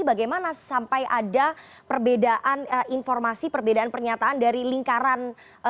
pak juri ini sempat ada perbedayaan informasi dari lingkaran presiden yakni pak fajro rahman yang mengatakan